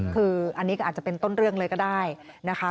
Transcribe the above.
คืออันนี้ก็อาจจะเป็นต้นเรื่องเลยก็ได้นะคะ